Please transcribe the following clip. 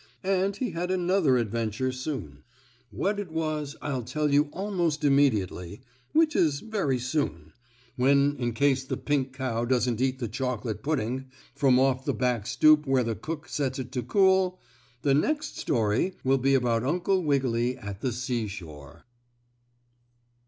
And he had another adventure soon. What it was I'll tell you almost immediately, which is very soon, when in case the pink cow doesn't eat the chocolate pudding from off the back stoop where the cook sets it to cool, the next story will be about Uncle Wiggily at the seashore.